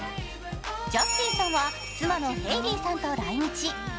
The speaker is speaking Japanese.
ジャスティンさんは、妻のヘイリーさんと来日。